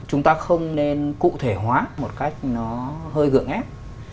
chúng ta không nên cụ thể hóa một cách nó hơi gợi ép